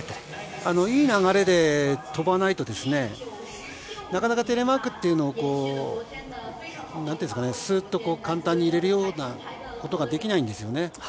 いい流れで飛ばないとなかなかテレマークはスーッと簡単に入れることができないんですよね。